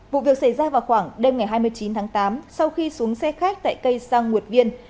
vụ việc xảy ra vào khoảng đêm ngày hai mươi chín tháng tám sau khi xuống xe khách tại cây sang nguyệt viên